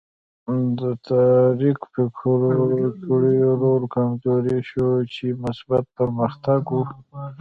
د تاریک فکرو کړیو رول کمزوری شو چې مثبت پرمختګ و.